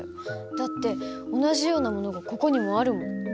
だって同じようなものがここにもあるもん。